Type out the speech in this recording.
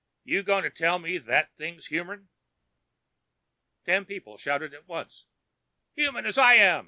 You goin' to tell me that thing's humern?" Ten people shouted at once: " human as I am!"